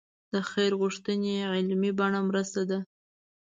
د خیر غوښتنې عملي بڼه مرسته ده.